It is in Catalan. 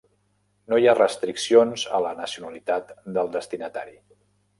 No hi ha restriccions a la nacionalitat del destinatari.